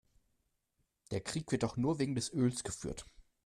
Der Krieg wird doch nur wegen des Öls geführt.